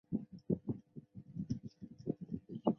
出生于山东淄博。